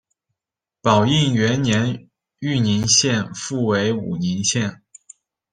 宝应元年豫宁县复为武宁县。